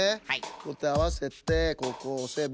こうやってあわせてここをおせば。